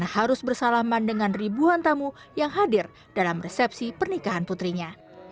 harus bersalaman dengan ribuan tamu yang hadir dalam resepsi pernikahan putrinya